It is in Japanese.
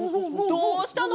どうしたの！？